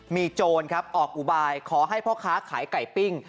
มีโจรครับออกอุบายขอให้พ่อค้าขายไก่ปิ้ง